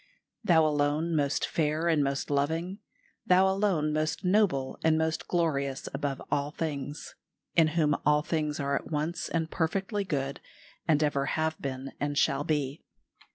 "Thou alone most fair and most loving; Thou alone most noble and most glorious above all things; in whom all things are at once and perfectly good, and ever have been and shall be.